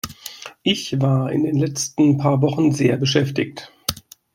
Ich war in den letzten paar Wochen sehr beschäftigt.